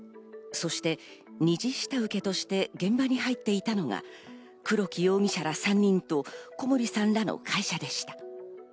そして二次下請けとして現場に入っていたのが、黒木容疑者ら３人と、小森さんらの会社でした。